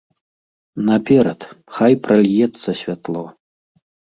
Наперад, хай пральецца святло!